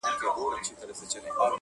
زه په مین سړي پوهېږم،